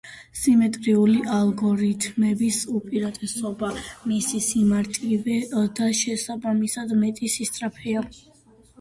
სიმეტრიული ალგორითმების უპირატესობა მისი სიმარტივე და შესაბამისად მეტი სისწრაფეა.